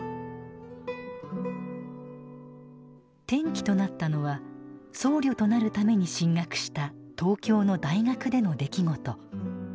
転機となったのは僧侶となるために進学した東京の大学での出来事。